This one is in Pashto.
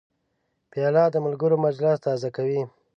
پیاله د ملګرو مجلس تازه کوي.